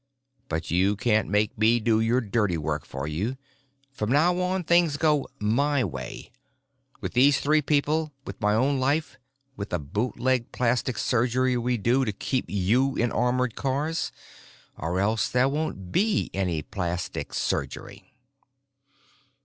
But you can't make me do your dirty work for you. From now on things go my way—with these three people, with my own life, with the bootleg plastic surgery we do to keep you in armored cars. Or else there won't be any plastic surgery."